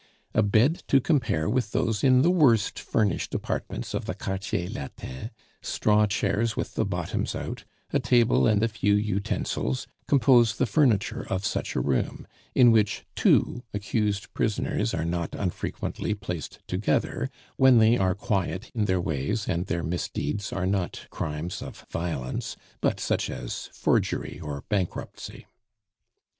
A bed to compare with those in the worst furnished apartments of the Quartier Latin, straw chairs with the bottoms out, a table and a few utensils, compose the furniture of such a room, in which two accused prisoners are not unfrequently placed together when they are quiet in their ways, and their misdeeds are not crimes of violence, but such as forgery or bankruptcy.